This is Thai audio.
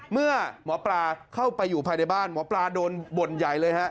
เมื่อหมอปลาเข้าไปอยู่ภายในบ้านหมอปลาโดนบ่นใหญ่เลยฮะ